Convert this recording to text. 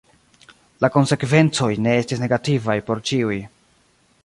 La konsekvencoj ne estis negativaj por ĉiuj.